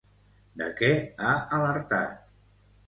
De què ha alertat?